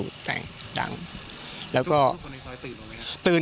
พ่อโทษ